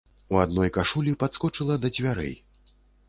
У адной кашулі падскочыла да дзвярэй.